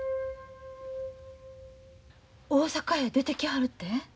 大阪へ出てきはるて？